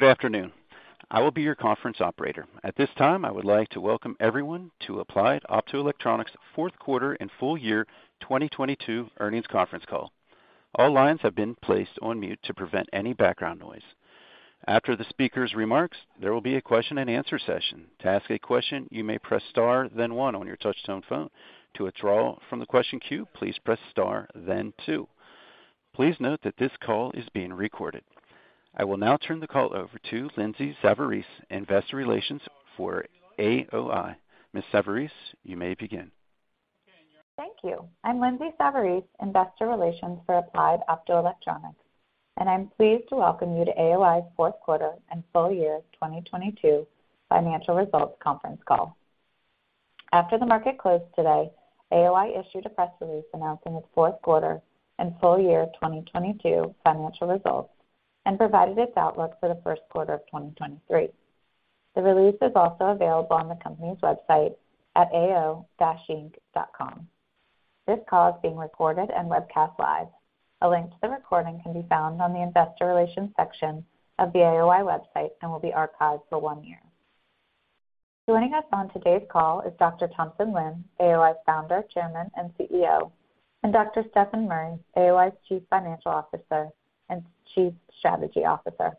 Good afternoon. I will be your conference operator. At this time, I would like to welcome everyone to Applied Optoelectronics fourth quarter and full year 2022 earnings conference call. All lines have been placed on mute to prevent any background noise. After the speaker's remarks, there will be a question-and-answer session. To ask a question, you may press star then one on your touchtone phone. To withdraw from the question queue, please press star then two. Please note that this call is being recorded. I will now turnthe call over to Lindsay Savarese, Investor Relations for AOI. Ms. Savarese, you may begin. Thank you. I'm Lindsay Savarese, investor relations for AppliedOptoelectronics, and I'm pleased to welcome you to AOI fourth quarter and full year 2022 financial results conference call. After the market closed today, AOI issued a press release announcing its fourth quarter and full year 2022 financial results and provided its outlook for the first quarter of 2023. The release is also available on the company's website at ao-inc.com. This call is being recorded and webcast live. A link to the recording can be found on the investor relations section of the AOI website and will be archived for one year. Joining us on today's call is Dr. Thompson Lin, AOI founder, chairman, and CEO, and Dr. Stefan Murry, AOI's chief financial officer and chief strategy officer.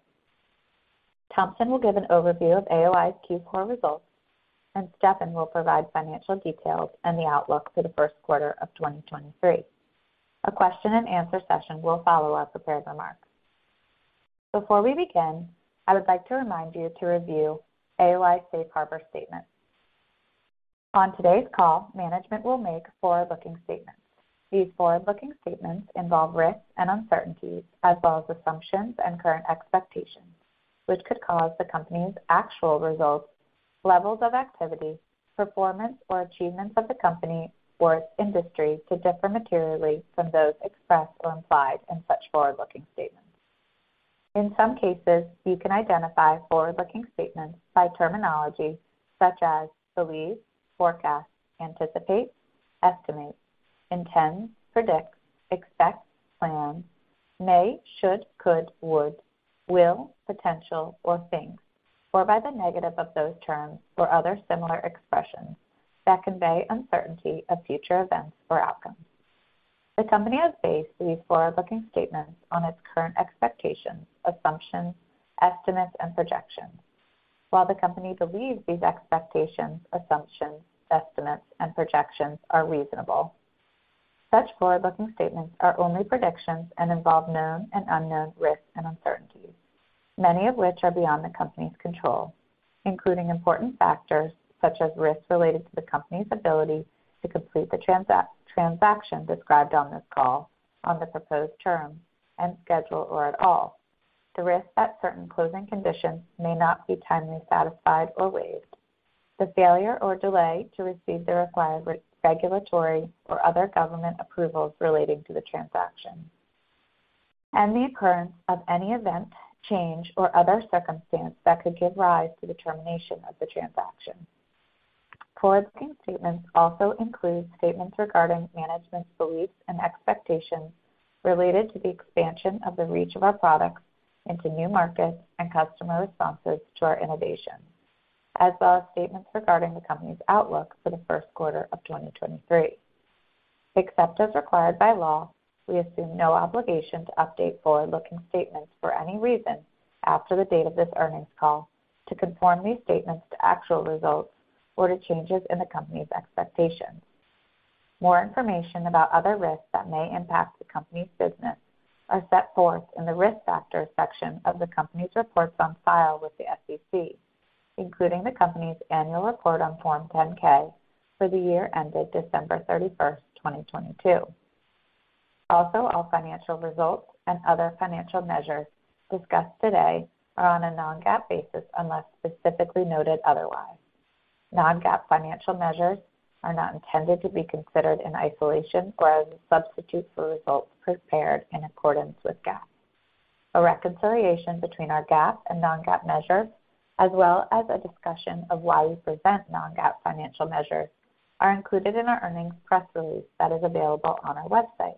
Thompson will give an overview of AOI's Q4 results, and Stefan will provide financial details and the outlook for the first quarter of 2023. A question-and-answer session will follow our prepared remarks. Before we begin, I would like to remind you to review AOI safe harbor statement. On today's call, management will make forward-looking statements. These forward-looking statements involve risks and uncertainties as well as assumptions and current expectations, which could cause the company's actual results, levels of activity, performance, or achievements of the company or its industry to differ materially from those expressed or implied in such forward-looking statements.In some cases, you can identify forward-looking statements by terminology such as believe, forecast, anticipate, estimate, intend, predict, expect, plan, may, should, could, would, will, potential, or things, or by the negative of those terms or other similar expressions that convey uncertainty of future events or outcomes. The company has based these forward-looking statements on its current expectations, assumptions, estimates, and projections. While the company believes these expectations, assumptions, estimates, and projections are reasonable, such forward-looking statements are only predictions and involve known and unknown risks and uncertainties, many of which are beyond the company's control, including important factors such as risks related to the company's ability to complete the transaction described on this call on the proposed term and schedule or at all, the risk that certain closing conditions may not be timely satisfied or waived, the failure or delay to receive the required regulatory or other government approvals relating to the transaction, and the occurrence of any event, change, or other circumstance that could give rise to the termination of the transaction. Forward-looking statements also include statements regarding management's beliefs and expectations related to the expansion of the reach of our products into new markets and customer responses to our innovation, as well as statements regarding the company's outlook for the first quarter of 2023. Except as required by law, we assume no obligation to update forward-looking statements for any reason after the date of this earnings call to conform these statements to actual results or to changes in the company's expectations. More information about other risks that may impact the company's business are set forth in the Risk Factors section of the company's reports on file with the SEC, including the company's annual report on Form 10-K for the year ended December 31st, 2022.Also, all financial results and other financial measures discussed today are on a non-GAAP basis, unless specifically noted otherwise. Non-GAAP financial measures are not intended to be considered in isolation or as a substitute for results prepared in accordance with GAAP. A reconciliation between our GAAP and non-GAAP measures, as well as a discussion of why we present non-GAAP financial measures, are included in our earnings press release that is available on our website.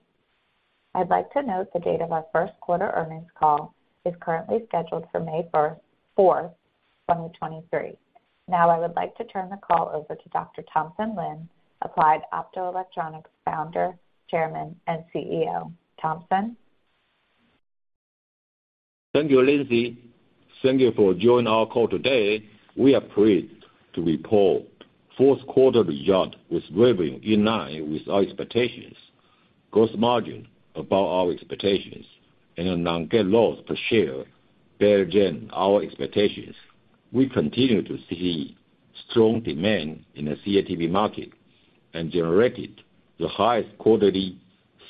I'd like to note the date of our first quarter earnings call is currently scheduled for May 4, 2023. I would like to turn the call over to Dr. Thompson Lin, Applied Optoelectronics Founder, Chairman, and CEO. Thompson? Thank you, Lindsay. Thank you for joining our call today. We are pleased to report fourth quarter result was revenue in line with our expectations, gross margin above our expectations, and a non-GAAP loss per share better than our expectations. We continue to see strong demand in the CATV market and generated the highest quarterly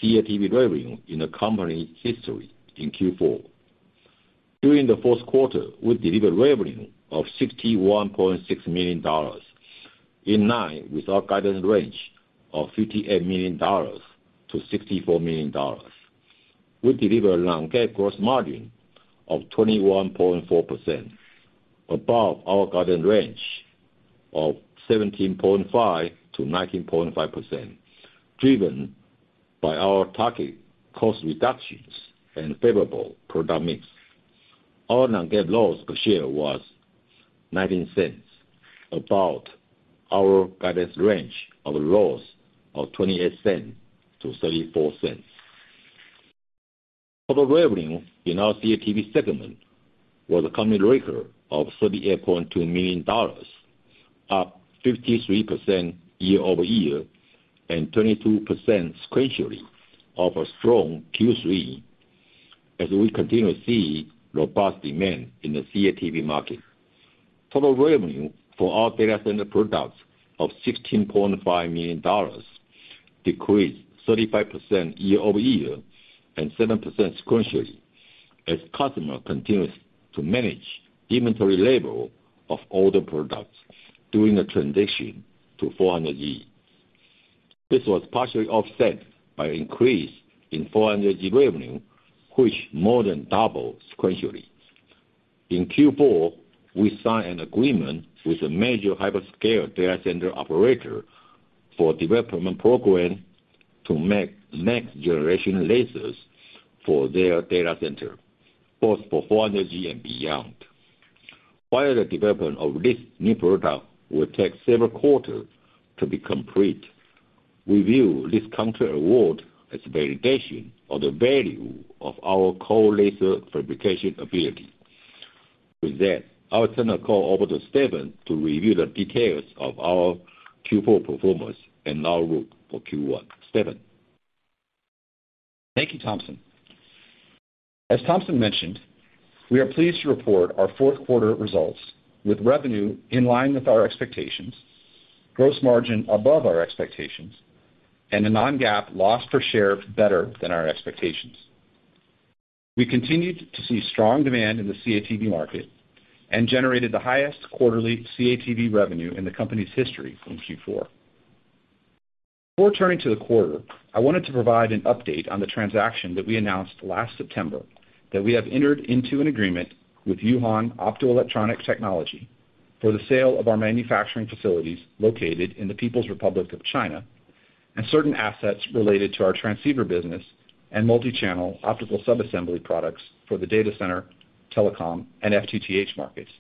CATV revenue in the company's history in Q4. During the fourth quarter, we delivered revenue of $61.6 million, in line with our guidance range of $58 million-$64 million. We delivered non-GAAP gross margin of 21.4%. Above our guided range of 17.5%-19.5%, driven by our target cost reductions and favorable product mix. Our non-GAAP loss per share was $0.19, about our guidance range of loss of $0.28-$0.34. Total revenue in our CATV segment was a company record of $38.2 million, up 53% year-over-year and 22% sequentially off a strong Q3 as we continue to see robust demand in the CATV market. Total revenue for our data center products of $16.5 million decreased 35% year-over-year and 7% sequentially as customer continues to manage inventory level of older products during the transition to 400G. This was partially offset by increase in 400G revenue, which more than doubled sequentially. In Q4, we signed an agreement with a major hyperscale data center operator for development program to make next-generation lasers for their data center, both for 400G and beyond. While the development of this new product will take several quarters to be complete, we view this contract award as validation of the value of our core laser fabrication ability. With that, I'll turn the call over to Stefan to review the details of our Q4 performance and outlook for Q1. Stefan? Thank you, Thompson. As Thompson mentioned, we are pleased to report our fourth quarter results with revenue in line with our expectations, GAAP gross margin above our expectations, and a non-GAAP loss per share better than our expectations. We continued to see strong demand in the CATV market and generated the highest quarterly CATV revenue in the company's history in Q4. Before turning to the quarter, I wanted to provide an update on the transaction that we announced last September that we have entered into an agreement with Yuhan Optoelectronic Technology for the sale of our manufacturing facilities located in the People's Republic of China and certain assets related to our transceiver business and multi-channel optical sub-assembly products for the data center, telecom, and FTTH markets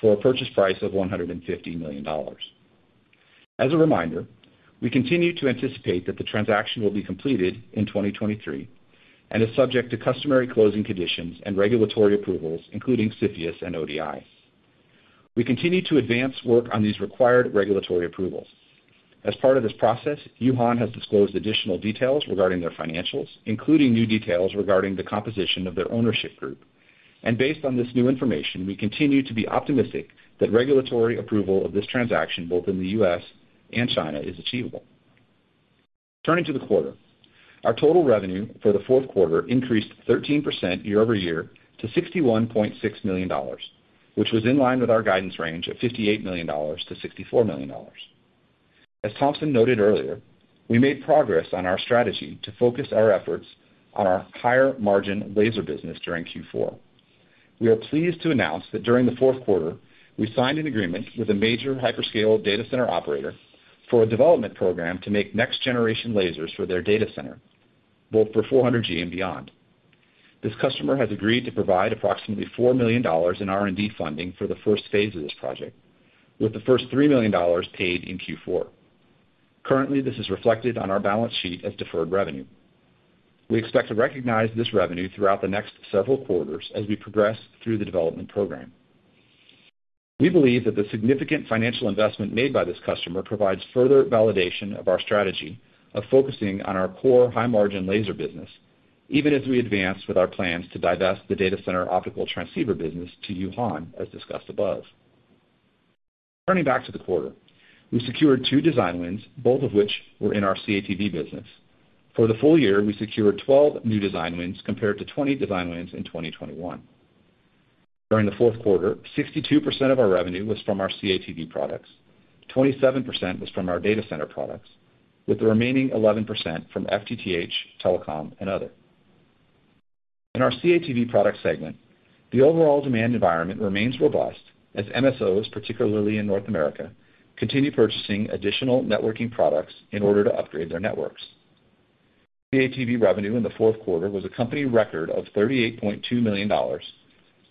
for a purchase price of $150 million. As a reminder, we continue to anticipate that the transaction will be completed in 2023 and is subject to customary closing conditions and regulatory approvals, including CFIUS and ODI. We continue to advance work on these required regulatory approvals. As part of this process, Yuhan has disclosed additional details regarding their financials, including new details regarding the composition of their ownership group. Based on this new information, we continue to be optimistic that regulatory approval of this transaction, both in the U.S. and China, is achievable. Turning to the quarter, our total revenue for the fourth quarter increased 13% year-over-year to $61.6 million, which was in line with our guidance range of $58 million-$64 million. As Thompson noted earlier, we made progress on our strategy to focus our efforts on our higher margin laser business during Q4. We are pleased to announce that during the fourth quarter, we signed an agreement with a major hyperscale data center operator for a development program to make next-generation lasers for their data center, both for 400G and beyond. This customer has agreed to provide approximately $4 million in R&D funding for the first phase of this project, with the first $3 million paid in Q4. Currently, this is reflected on our balance sheet as deferred revenue. We expect to recognize this revenue throughout the next several quarters as we progress through the development program. We believe that the significant financial investment made by this customer provides further validation of our strategy of focusing on our core high-margin laser business, even as we advance with our plans to divest the data center optical transceiver business to Yuhan, as discussed above. Turning back to the quarter, we secured two design wins, both of which were in our CATV business. For the full year, we secured 12 new design wins compared to 20 design wins in 2021. During the fourth quarter, 62% of our revenue was from our CATV products, 27% was from our data center products, with the remaining 11% from FTTH, telecom, and other. In our CATV product segment, the overall demand environment remains robust as MSOs, particularly in North America, continue purchasing additional networking products in order to upgrade their networks. CATV revenue in the fourth quarter was a company record of $38.2 million,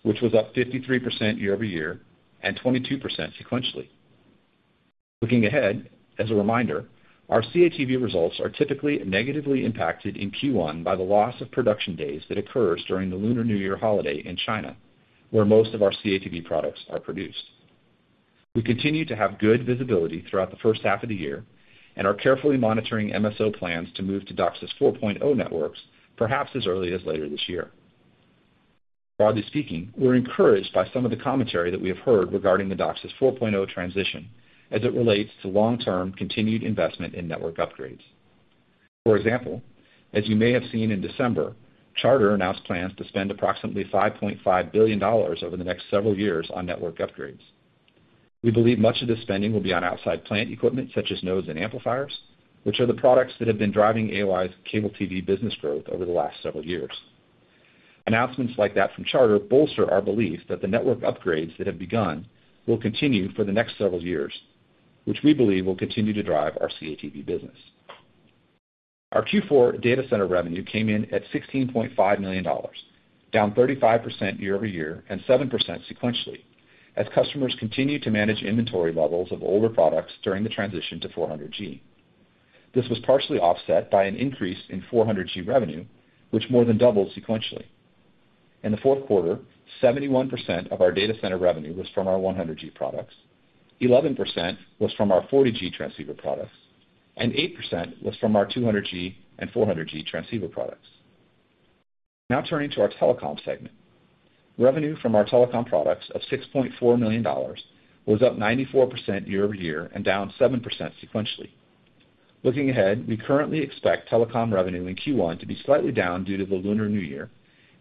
which was up 53% year-over-year and 22% sequentially. Looking ahead, as a reminder, our CATV results are typically negatively impacted in Q1 by the loss of production days that occurs during the Lunar New Year holiday in China, where most of our CATV products are produced. We continue to have good visibility throughout the first half of the year and are carefully monitoring MSOs plans to move to DOCSIS 4.0 networks, perhaps as early as later this year. Broadly speaking, we're encouraged by some of the commentary that we have heard regarding the DOCSIS 4.0 transition as it relates to long-term continued investment in network upgrades. As you may have seen in December, Charter announced plans to spend approximately $5.5 billion over the next several years on network upgrades. We believe much of the spending will be on outside plant equipment such as nodes and amplifiers, which are the products that have been driving AOI's cable TV business growth over the last several years. Announcements like that from Charter bolster our belief that the network upgrades that have begun will continue for the next several years, which we believe will continue to drive our CATV business. Our Q4 data center revenue came in at $16.5 million, down 35% year-over-year and 7% sequentially as customers continued to manage inventory levels of older products during the transition to 400G. This was partially offset by an increase in 400G revenue, which more than doubled sequentially. In the fourth quarter, 71% of our data center revenue was from our 100G products, 11% was from our 40G transceiver products, and 8% was from our 200G and 400G transceiver products. Turning to our telecom segment. Revenue from our telecom products of $6.4 million was up 94% year-over-year and down 7% sequentially. Looking ahead, we currently expect telecom revenue in Q1 to be slightly down due to the Lunar New Year,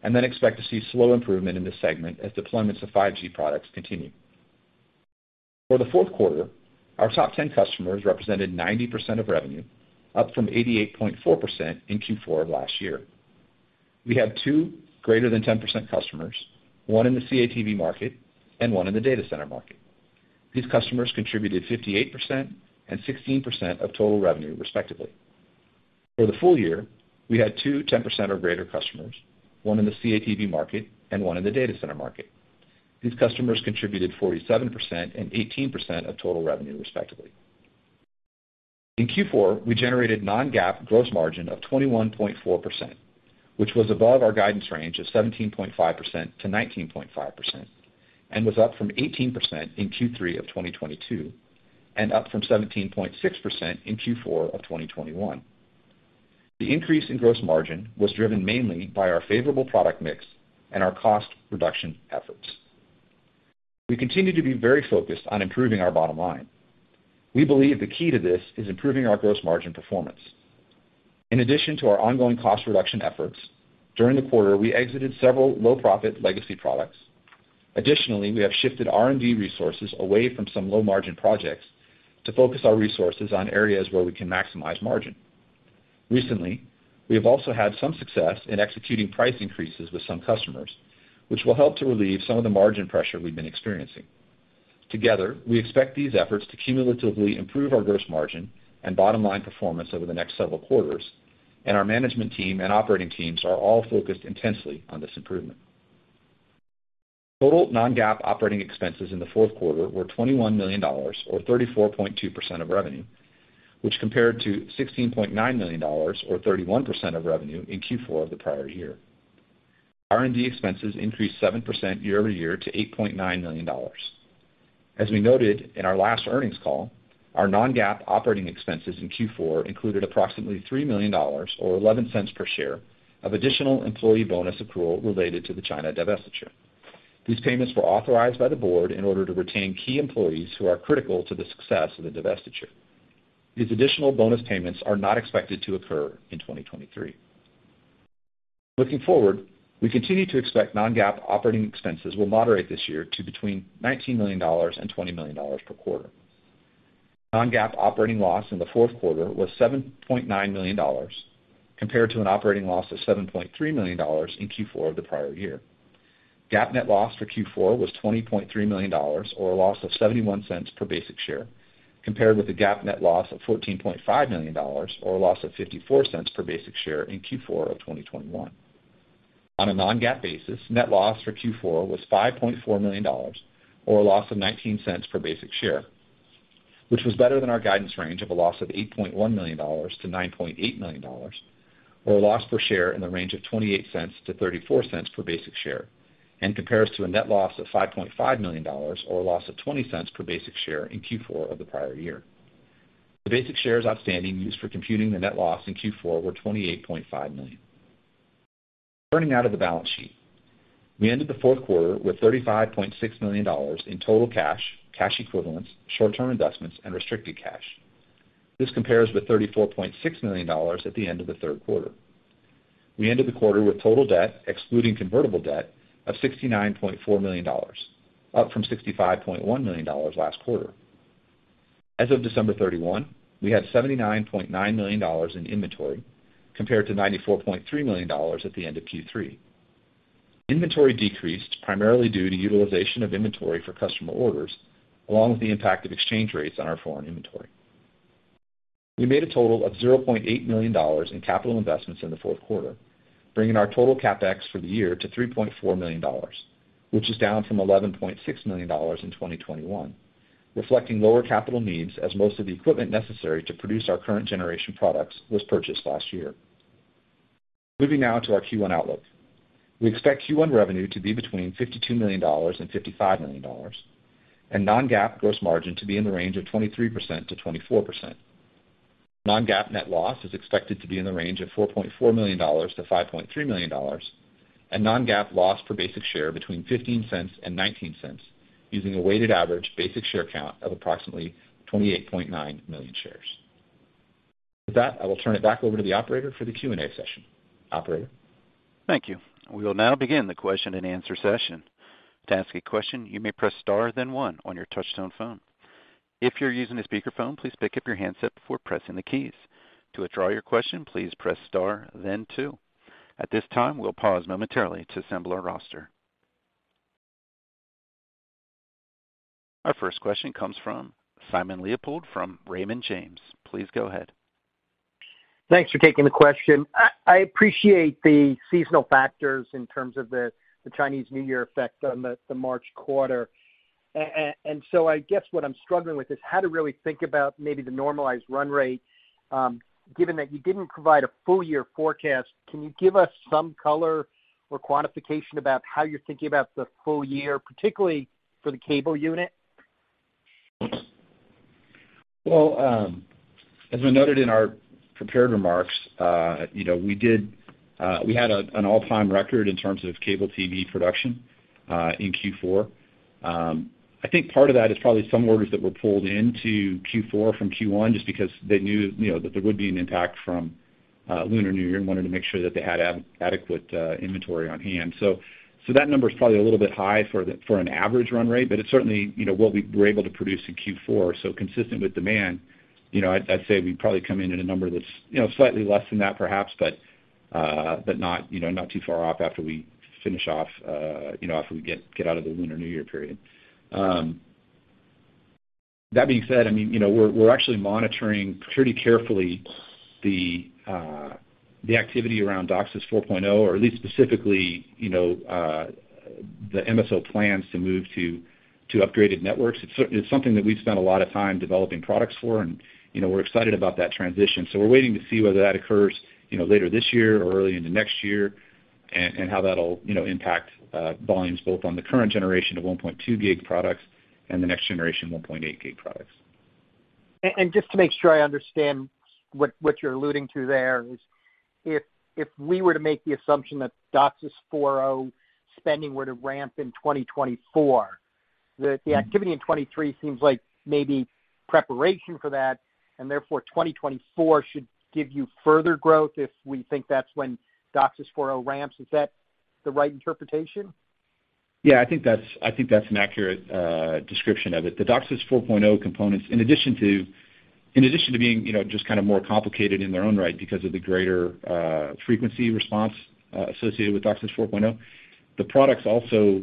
and then expect to see slow improvement in this segment as deployments of 5G products continue. For the fourth quarter, our top 10 customers represented 90% of revenue, up from 88.4% in Q4 last year. We have two greater than 10% customers, one in the CATV market and one in the data center market. These customers contributed 58% and 16% of total revenue, respectively. For the full year, we had two 10% or greater customers, one in the CATV market and one in the data center market. These customers contributed 47% and 18% of total revenue, respectively. In Q4, we generated non-GAAP gross margin of 21.4%, which was above our guidance range of 17.5%-19.5%, and was up from 18% in Q3 of 2022, and up from 17.6% in Q4 of 2021. The increase in gross margin was driven mainly by our favorable product mix and our cost reduction efforts. We continue to be very focused on improving our bottom line. We believe the key to this is improving our gross margin performance. In addition to our ongoing cost reduction efforts, during the quarter, we exited several low-profit legacy products. Additionally, we have shifted R&D resources away from some low-margin projects to focus our resources on areas where we can maximize margin. Recently, we have also had some success in executing price increases with some customers, which will help to relieve some of the margin pressure we've been experiencing. Together, we expect these efforts to cumulatively improve our gross margin and bottom line performance over the next several quarters. Our management team and operating teams are all focused intensely on this improvement. Total non-GAAP operating expenses in the fourth quarter were $21 million or 34.2% of revenue, which compared to $16.9 million or 31% of revenue in Q4 of the prior year. R&D expenses increased 7% year-over-year to $8.9 million. As we noted in our last earnings call, our non-GAAP operating expenses in Q4 included approximately $3 million or $0.11 per share of additional employee bonus accrual related to the China divestiture. These payments were authorized by the board in order to retain key employees who are critical to the success of the divestiture. These additional bonus payments are not expected to occur in 2023. Looking forward, we continue to expect non-GAAP operating expenses will moderate this year to between $19 million and $20 million per quarter. Non-GAAP operating loss in the fourth quarter was $7.9 million compared to an operating loss of $7.3 million in Q4 of the prior year. GAAP net loss for Q4 was $20.3 million or a loss of $0.71 per basic share, compared with a GAAP net loss of $14.5 million or a loss of $0.54 per basic share in Q4 of 2021. On a non-GAAP basis, net loss for Q4 was $5.4 million or a loss of $0.19 per basic share, which was better than our guidance range of a loss of $8.1 million-$9.8 million, or a loss per share in the range of $0.28-$0.34 per basic share, and compares to a net loss of $5.5 million or a loss of $0.20 per basic share in Q4 of the prior year. The basic shares outstanding used for computing the net loss in Q4 were 28.5 million. Turning now to the balance sheet. We ended the fourth quarter with $35.6 million in total cash equivalents, short-term investments, and restricted cash. This compares with $34.6 million at the end of the third quarter. We ended the quarter with total debt, excluding convertible debt, of $69.4 million, up from $65.1 million last quarter. As of December 31, we had $79.9 million in inventory, compared to $94.3 million at the end of Q3. Inventory decreased primarily due to utilization of inventory for customer orders, along with the impact of exchange rates on our foreign inventory. We made a total of $0.8 million in capital investments in the fourth quarter, bringing our total CapEx for the year to $3.4 million, which is down from $11.6 million in 2021, reflecting lower capital needs as most of the equipment necessary to produce our current generation products was purchased last year. Moving now to our Q1 outlook. We expect Q1 revenue to be between $52 million and $55 million, and non-GAAP gross margin to be in the range of 23%-24%. Non-GAAP net loss is expected to be in the range of $4.4 million-$5.3 million, and non-GAAP loss per basic share between $0.15 and $0.19, using a weighted average basic share count of approximately 28.9 million shares. With that, I will turn it back over to the Operator for the Q&A session. Operator? Thank you. We will now begin the question-and-answer session. To ask a question, you may press star then one on your touchtone phone. If you're using a speakerphone, please pick up your handset before pressing the keys. To withdraw your question, please press star then two. At this time, we'll pause momentarily to assemble our roster. Our first question comes from Simon Leopold from Raymond James. Please go ahead. Thanks for taking the question. I appreciate the seasonal factors in terms of the Chinese New Year effect on the March quarter. I guess what I'm struggling with is how to really think about maybe the normalized run rate, given that you didn't provide a full year forecast. Can you give us some color or quantification about how you're thinking about the full year, particularly for the cable unit? As we noted in our prepared remarks, you know, we had an all-time record in terms of CATV production in Q4. I think part of that is probably some orders that were pulled into Q4 from Q1 just because they knew, you know, that there would be an impact from Lunar New Year and wanted to make sure that they had adequate inventory on hand. So that number is probably a little bit high for an average run rate, but it's certainly, you know, what we were able to produce in Q4. Consistent with demand, you know, I'd say we probably come in at a number that's, you know, slightly less than that perhaps, but not, you know, not too far off after we finish off, you know, after we get out of the Lunar New Year period. That being said, I mean, you know, we're actually monitoring pretty carefully the activity around DOCSIS 4.0, or at least specifically, you know, the MSO plans to move to upgraded networks. It's something that we've spent a lot of time developing products for and, you know, we're excited about that transition. We're waiting to see whether that occurs, you know, later this year or early into next year and how that'll, you know, impact volumes both on the current generation of 1.2 GHz products and the next generation 1.8 GHz products. Just to make sure I understand what you're alluding to there is if we were to make the assumption that DOCSIS 4.0 spending were to ramp in 2024, the activity in 2023 seems like maybe preparation for that, and therefore, 2024 should give you further growth if we think that's when DOCSIS 4.0 ramps. Is that the right interpretation? Yeah, I think that's an accurate description of it. The DOCSIS 4.0 components, in addition to being, you know, just kind of more complicated in their own right because of the greater frequency response associated with DOCSIS 4.0, the products also,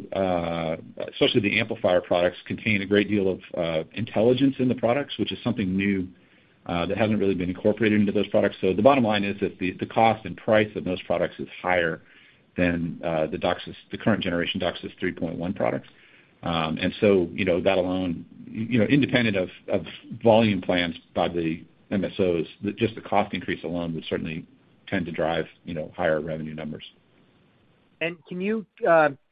especially the amplifier products, contain a great deal of intelligence in the products, which is something new that hasn't really been incorporated into those products. The bottom line is that the cost and price of those products is higher than the DOCSIS, the current generation DOCSIS 3.1 products. You know, that alone, you know, independent of volume plans by the MSOs, just the cost increase alone would certainly tend to drive, you know, higher revenue numbers. Can you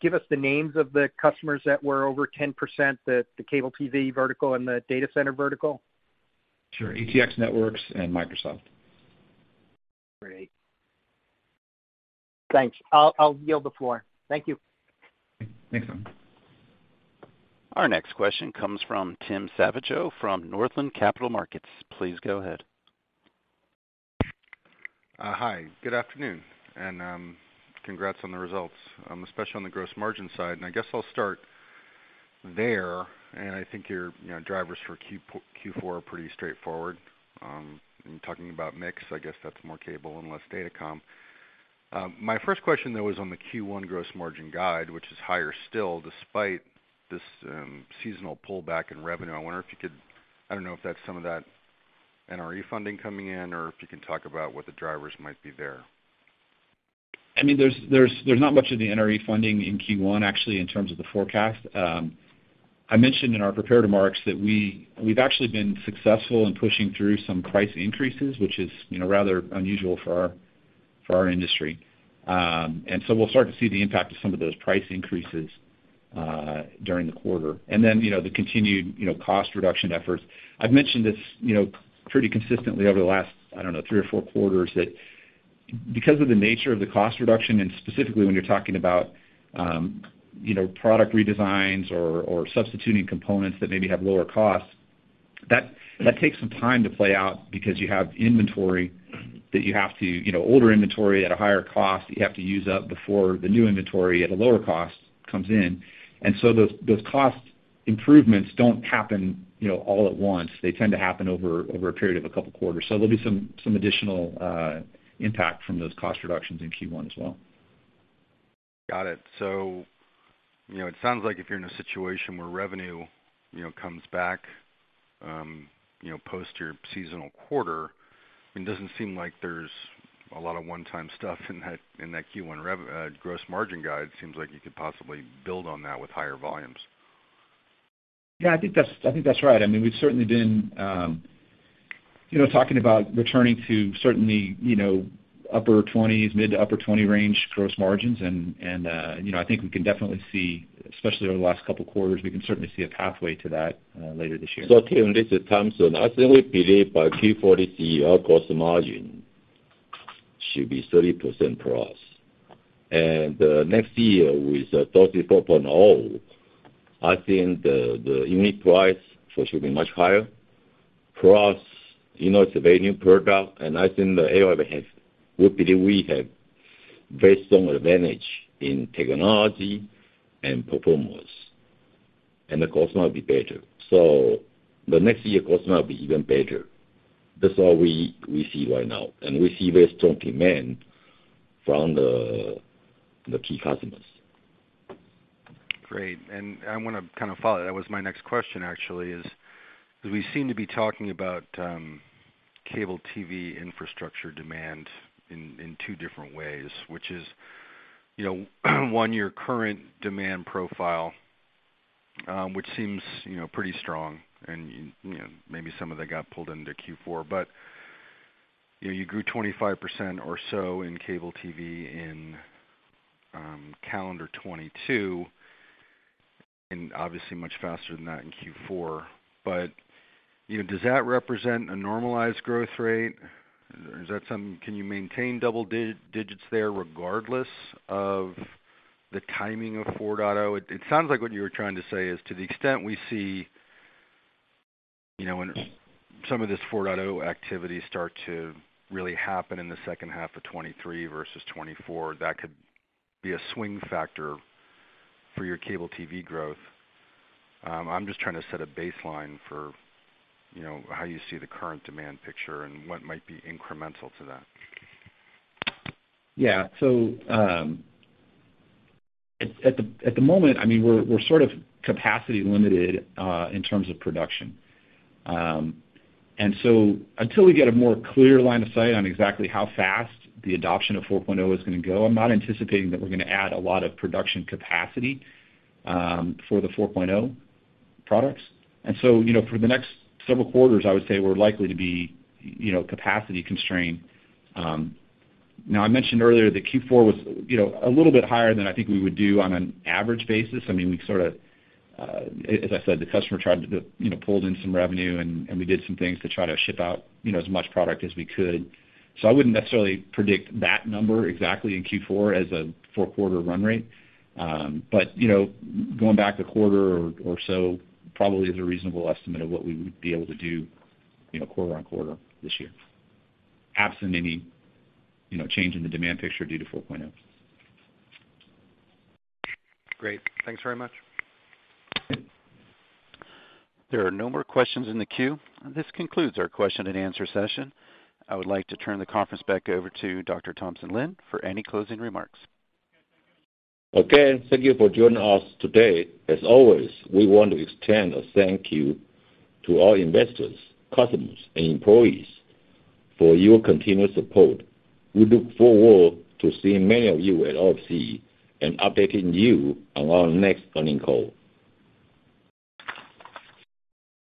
give us the names of the customers that were over 10%, the cable TV vertical and the data center vertical? Sure. ATX Networks and Microsoft. Great. Thanks. I'll yield the floor. Thank you. Thanks. Thanks, Simon. Our next question comes from Tim Savageaux from Northland Capital Markets. Please go ahead. Hi, good afternoon, congrats on the results, especially on the GAAP gross margin side. I guess I'll start there. I think your, you know, drivers for Q4 are pretty straightforward, in talking about mix. I guess that's more cable and less datacom. My first question though is on the Q1 gross margin guide, which is higher still despite this seasonal pullback in revenue. I don't know if that's some of that NRE funding coming in, or if you can talk about what the drivers might be there. I mean, there's not much of the NRE funding in Q1 actually in terms of the forecast. I mentioned in our prepared remarks that we've actually been successful in pushing through some price increases, which is, you know, rather unusual for our industry. We'll start to see the impact of some of those price increases during the quarter. You know, the continued, you know, cost reduction efforts. I've mentioned this, you know, pretty consistently over the last, I don't know, three or four quarters that because of the nature of the cost reduction and specifically when you're talking about, you know, product redesigns or substituting components that maybe have lower costs, that takes some time to play out because you have inventory that you have to, you know, older inventory at a higher cost that you have to use up before the new inventory at a lower cost comes in. Those cost improvements don't happen, you know, all at once. They tend to happen over a period of two quarters. There'll be some additional impact from those cost reductions in Q1 as well. Got it. It sounds like if you're in a situation where revenue, you know, comes back, you know, post your seasonal quarter, it doesn't seem like there's a lot of one-time stuff in that Q1 gross margin guide. Seems like you could possibly build on that with higher volumes. Yeah, I think that's right. I mean, we've certainly been, you know, talking about returning to certainly, you know, upper 20s, mid to upper 20 range gross margins and, you know, I think we can definitely see, especially over the last couple quarters, we can certainly see a pathway to that later this year. Tim, this is Thompson. I certainly believe our Q4 GAAP gross margin should be 30% plus. Next year with DOCSIS 4.0, I think the unit price should be much higher. Plus, you know, it's a very new product, and I think we believe we have very strong advantage in technology and performance, and the cost might be better. The next year cost might be even better. That's all we see right now, and we see very strong demand from the key customers. Great. I wanna kind of follow. That was my next question, actually, is we seem to be talking about cable TV infrastructure demand in two different ways, which is, you know, one, your current demand profile, which seems, you know, pretty strong and, you know, maybe some of that got pulled into Q4. You know, you grew 25% or so in cable TV in calendar 2022, and obviously much faster than that in Q4. You know, does that represent a normalized growth rate? Can you maintain double digits there regardless of the timing of 4.0? It sounds like what you were trying to say is to the extent we see, you know, when some of this 4.0 activity start to really happen in the second half of 2023 versus 2024, that could be a swing factor for your cable TV growth. I'm just trying to set a baseline for, you know, how you see the current demand picture and what might be incremental to that. Yeah. At the moment, I mean, we're sort of capacity limited in terms of production. Until we get a more clear line of sight on exactly how fast the adoption of 4.0 is gonna go, I'm not anticipating that we're gonna add a lot of production capacity for the 4.0 products. You know, for the next several quarters, I would say we're likely to be, you know, capacity constrained. Now, I mentioned earlier that Q4 was, you know, a little bit higher than I think we would do on an average basis. I mean, we sort of, as I said, the customer tried to, you know, pulled in some revenue, and we did some things to try to ship out, you know, as much product as we could. I wouldn't necessarily predict that number exactly in Q4 as a four-quarter run rate. But, you know, going back a quarter or so probably is a reasonable estimate of what we would be able to do, you know, quarter-on-quarter this year, absent any, you know, change in the demand picture due to 4.0. Great. Thanks very much. There are no more questions in the queue. This concludes our question and answer session. I would like to turn the conference back over to Dr. Thompson Lin for any closing remarks. Again, thank you for joining us today. As always, we want to extend a thank you to all investors, customers and employees for your continued support. We look forward to seeing many of you at OFC and updating you on our next earning call.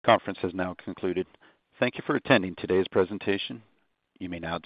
Conference has now concluded. Thank you for attending today's presentation. You may now disconnect.